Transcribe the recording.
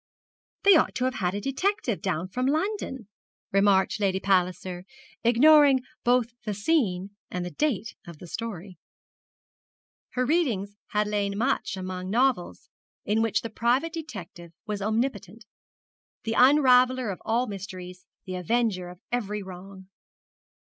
'They ought to have had a detective down from London,' remarked Lady Palliser, ignoring both the scene and the date of the story. Her reading had lain much among novels in which the private detective was omnipotent, the unraveller of all mysteries, the avenger of every wrong.